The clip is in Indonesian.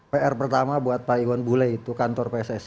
pr pertama buat pak iwan bule itu kantor pssi